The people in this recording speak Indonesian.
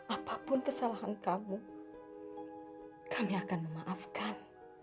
apapun kesalahan kamu kami akan memaafkan